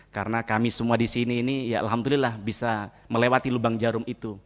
karena kami semua di sini ini ya alhamdulillah bisa melewati lubang jarum itu